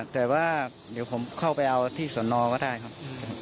แต่ว่าเดี๋ยวผมเข้าไปเอาที่สอนอก็ได้ครับ